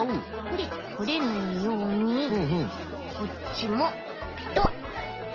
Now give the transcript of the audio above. でとれないようにこっちもペトッ。